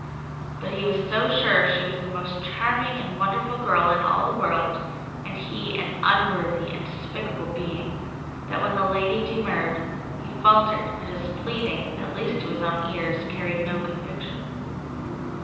But he was so sure she was the most charming and most wonderful girl in all the world, and he an unworthy and despicable being, that when the lady demurred, he faltered, and his pleading, at least to his own ears, carried no conviction.